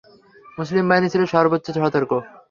মুসলিম বাহিনী ছিল সর্বোচ্চ সতর্ক।